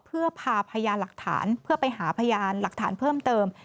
เพื่อพาพยานหลักฐานเพื่อไปหาพยานหลักฐานเพิ่มเติม